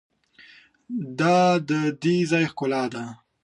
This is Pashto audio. دا د دې ځای ښکلا ده.